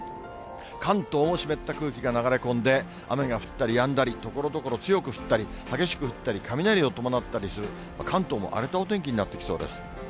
関東も湿った空気が流れ込んで、雨が降ったりやんだり、ところどころ強く降ったり、激しく降ったり、雷を伴ったりする、関東も荒れたお天気になってきそうです。